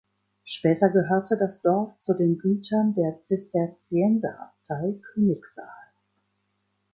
Später gehörte das Dorf zu den Gütern der Zisterzienserabtei Königsaal.